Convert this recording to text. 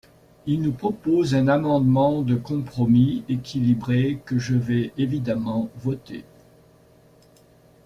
Il nous propose un amendement de compromis, équilibré, que je vais évidemment voter ».